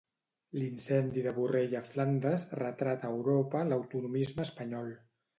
L'incendi de Borrell a Flandes retrata a Europa l'autonomisme espanyol.